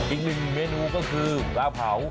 อีกหนึ่งเมนูก็คือปลาเผา